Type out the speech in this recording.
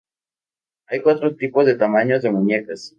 Hay cuatro tipos de tamaños de muñecas.